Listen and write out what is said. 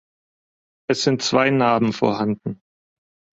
Es sind zwei Narben vorhanden.